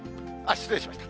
失礼しました。